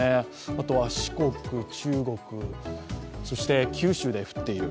あとは四国、中国、そして九州で降っている。